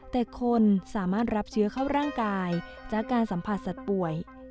แต่คนสามารถรับเชื้อเข้าร่างกายจากการสัมผัสสัตว์ป่วย